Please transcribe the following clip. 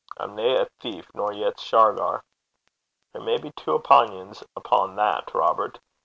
I'm nae a thief, nor yet's Shargar.' 'There may be twa opingons upo' that, Robert.